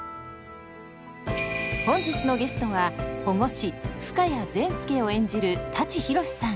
本日のゲストは保護司深谷善輔を演じる舘ひろしさん。